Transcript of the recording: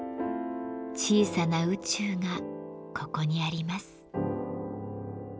小さな宇宙がここにあります。